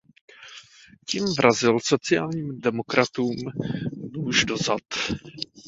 Tím vrazil sociálním demokratům nůž do zad.